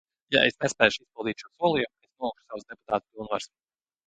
Ja es nespēšu izpildīt šo solījumu, es nolikšu savas deputāta pilnvaras.